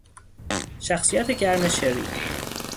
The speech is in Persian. شخصیت گرم شری